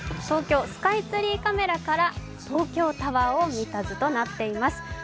東京スカイツリーカメラから東京タワーを見た図となっています。